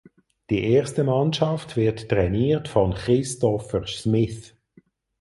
Die erste Mannschaft wird trainiert von Christopher Smith.